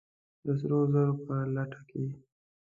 د سرو زرو په لټه کې!